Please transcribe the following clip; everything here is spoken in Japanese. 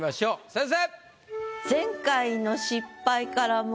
先生！